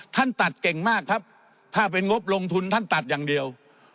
ท่านตัดเก่งมากครับถ้าเป็นงบลงทุนท่านตัดอย่างเดียว